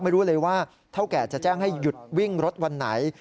ไม่รู้เลยว่าเท่าแก่จะแจ้งให้หยุดวิ่งรถวันไหน